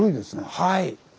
はい。